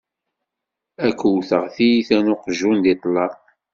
Ad k-wwteɣ tyita n uqjun di ṭṭlam!